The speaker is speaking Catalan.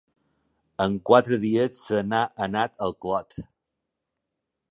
En quatre dies se n'ha anat al clot.